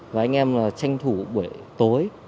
và anh em là tranh thủ buổi tối